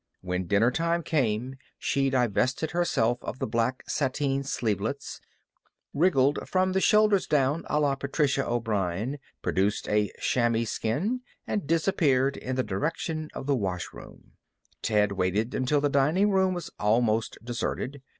When dinner time came she divested herself of the black sateen sleevelets, wriggled from the shoulders down a la Patricia O'Brien, produced a chamois skin, and disappeared in the direction of the washroom. Ted waited until the dining room was almost deserted.